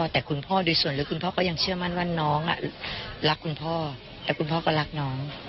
แต่คุณพ่อโดยส่วนหรือคุณพ่อก็ยังเชื่อมั่นว่าน้องรักคุณพ่อแต่คุณพ่อก็รักน้อง